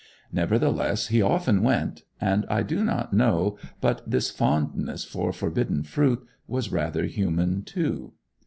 Nevertheless, he often went; and I do not know but this fondness for forbidden fruit was rather human, too.